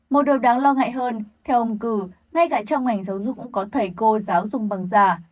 một điều đáng lo ngại hơn theo ông cử ngay cả trong ngành giáo dục cũng có thầy cô giáo dùng bằng già